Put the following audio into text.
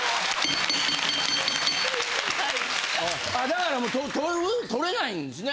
だからもう取れないんですね？